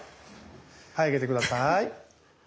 はい上げて下さい。